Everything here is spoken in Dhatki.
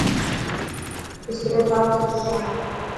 بسترو ٺاهه ته سوان.